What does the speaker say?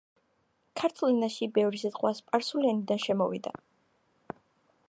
ქართულ ენაში ბევრი სიტყვა სპარსული ენიდან შემოვიდა.